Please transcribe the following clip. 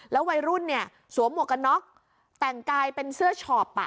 แล้ววัยรุ่นสวมวกนอกแต่งกายเป็นเสื้อชอบ